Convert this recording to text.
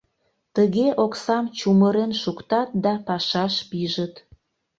Тыге оксам чумырен шуктат да пашаш пижыт.